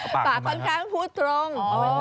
ปากค่อนข้างพูดตรง